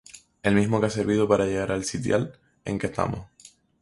El mismo que ha servido para llegar al sitial en que estamos.